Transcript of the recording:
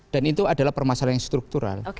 dan itu adalah permasalahan yang struktural